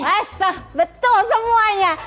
esa betul semuanya